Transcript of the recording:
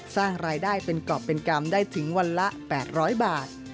สร้างรายได้เป็นกรอบเป็นกรรมได้ถึงวันละ๘๐๐บาท